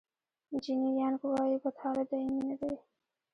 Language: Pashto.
جیني یانګ وایي بد حالت دایمي نه دی.